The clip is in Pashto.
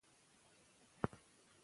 که رښتیا وي نو ډار نه وي.